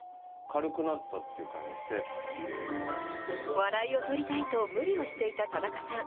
笑いを取りたいと無理をしていた田中さん。